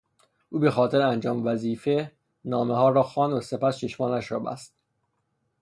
او به خاطر انجام وظیفه نامهها را خواند و سپس چشمانش را بست.